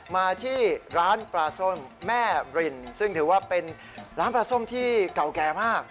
มาที่ร้านปลาส้มแม่บรินซึ่งถือว่าเป็นร้านปลาส้มที่เก่าแก่มาก